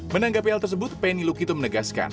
menanggapi hal tersebut penny lukito menegaskan